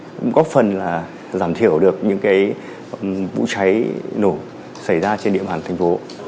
cũng góp phần là giảm thiểu được những cái vụ cháy nổ xảy ra trên địa bàn thành phố